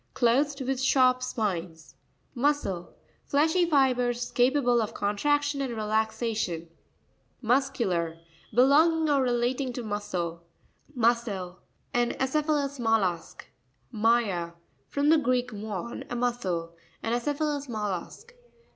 — Clothed with sharp spines. Mo'scrr.—Fleshy fibres capable of contraction and relaxation. Mu'scutar.—Belonging or relating to muscle. Mv'ssEL.—An acephalous mollusk. My'a.—From the Greek, muén, a muscle. An acephalous mollusk.